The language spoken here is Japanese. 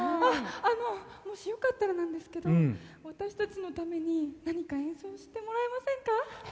あのもしよかったらなんですけど私たちのために何か演奏してもらえませんか？